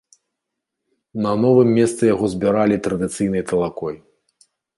На новым месцы яго збіралі традыцыйнай талакой.